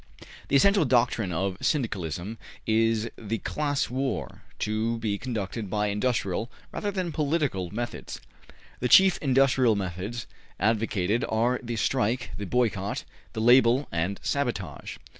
The essential doctrine of Syndicalism is the class war, to be conducted by industrial rather than politi cal methods. The chief industrial methods advocated are the strike, the boycott, the label and sabotage.